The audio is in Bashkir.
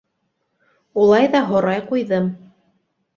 Улай ҙа һорай ҡуйҙым: